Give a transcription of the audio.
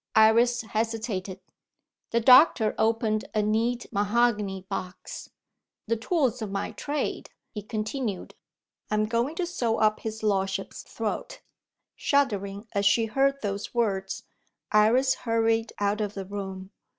Iris hesitated. The doctor opened a neat mahogany box. "The tools of my trade," he continued; "I'm going to sew up his lordship's throat." Shuddering as she heard those words, Iris hurried out of the room.